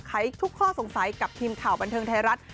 ทุกข้อสงสัยกับทีมข่าวบันเทิงไทยรัฐ